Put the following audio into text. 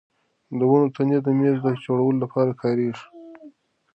د ونو تنې د مېز جوړولو لپاره کارېږي.